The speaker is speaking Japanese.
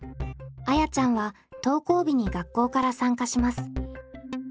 あやちゃんは登校日に学校から参加します。